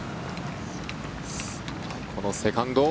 このセカンド。